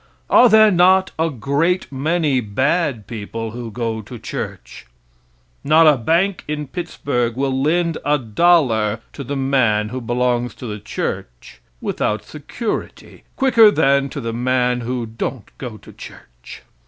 Are there not a great many bad people who go to church? Not a bank in Pittsburgh will lend a dollar to the man who belongs to the church, without security, quicker than to the man who don't go to church.